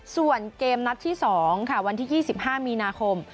ส่วนเกมนัดที่๒ค่ะวันที่๒๕มีนาคม